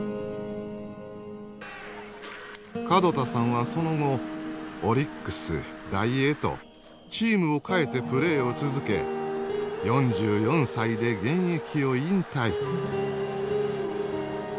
門田さんはその後オリックスダイエーとチームを替えてプレーを続け４４歳で現役を引退。